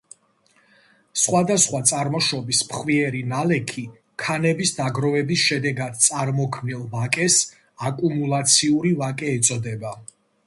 სხვადასხვა წარმოშობის ფხვიერი ნალექი ქანების დაგროვების შედეგად წარმოქმნილ ვაკეს აკუმულაციური ვაკე ეწოდება.